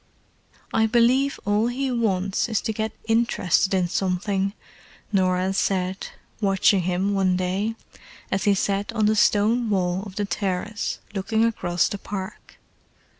"I believe all he wants is to get interested in something," Norah said, watching him, one day, as he sat on the stone wall of the terrace, looking across the park.